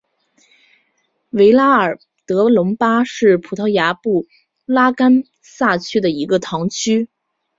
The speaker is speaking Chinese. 维拉尔德隆巴是葡萄牙布拉干萨区的一个堂区。